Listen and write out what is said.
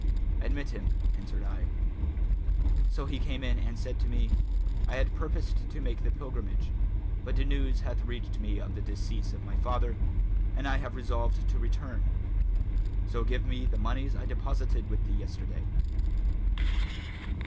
'Admit him,' answered I. So he came in and said to me, 'I had purposed to make the pilgrimage; but news hath reached me of the decease of my father, and I have resolved to return; so give me the monies I deposited with thee yesterday.'